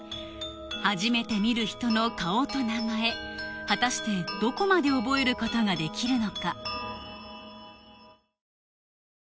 初めて見る人の顔と名前果たしてどこまで覚えることができるのか？